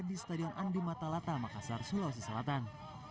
di stadion andi matalata makassar sulawesi selatan